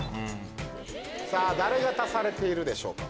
誰が足されているでしょうか？